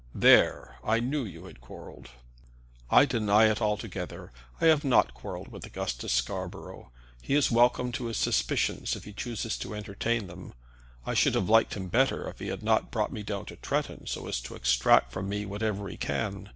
"There; I knew you had quarrelled." "I deny it altogether. I have not quarrelled with Augustus Scarborough. He is welcome to his suspicions if he chooses to entertain them. I should have liked him better if he had not brought me down to Tretton, so as to extract from me whatever he can.